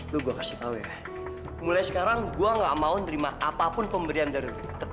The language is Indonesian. lu gue kasih tau ya mulai sekarang gue gak mau nerima apapun pemberian dari